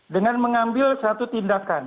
dengan mengambil satu tindakan